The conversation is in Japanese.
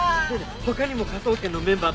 他にも科捜研のメンバー